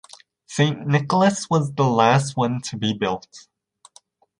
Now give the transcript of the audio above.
St Nicholas was the last one to be built.